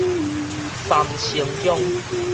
三星鄉